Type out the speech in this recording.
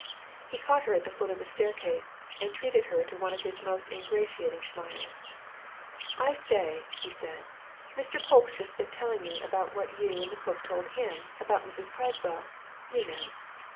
He caught her at the foot of the staircase, and treated her to one of his most ingratiating smiles. "I say!" he said, "Mr. Polke's just been telling me about what you and the cook told him about Mrs. Carswell you know.